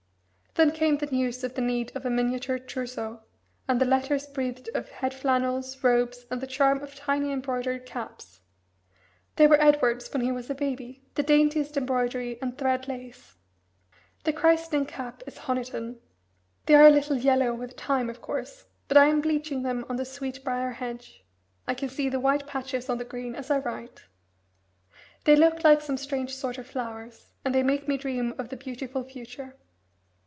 Then came the news of the need of a miniature trousseau, and the letters breathed of head flannels, robes, and the charm of tiny embroidered caps. "They were Edward's when he was a baby the daintiest embroidery and thread lace. The christening cap is Honiton. They are a little yellow with time, of course, but I am bleaching them on the sweet brier hedge. I can see the white patches on the green as I write. They look like some strange sort of flowers, and they make me dream of the beautiful future."